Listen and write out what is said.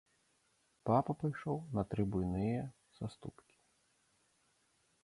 Папа пайшоў на тры буйныя саступкі.